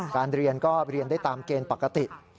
การเรียนก็เรียนได้ตามเกณฑ์ปกติ